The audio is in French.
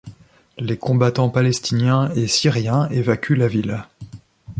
Les combattants palestiniens et syriens évacuent la ville.